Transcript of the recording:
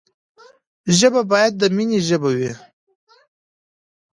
ژبه باید د ميني ژبه وي.